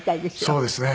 そうですね。